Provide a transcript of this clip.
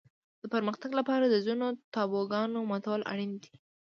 د پرمختګ لپاره د ځینو تابوګانو ماتول اړین دي.